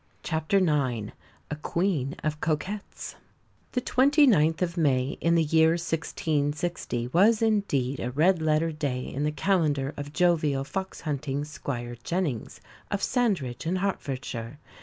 CHAPTER IX A QUEEN OF COQUETTES The 29th of May in the year 1660 was indeed a red letter day in the calendar of jovial fox hunting Squire Jennings, of Sandridge, in Hertfordshire.